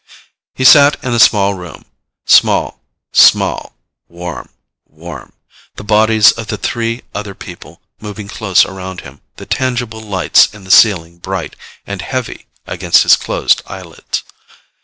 He sat in a small room, small, small, warm, warm, the bodies of the other three people moving close around him, the tangible lights in the ceiling bright and heavy against his closed eyelids.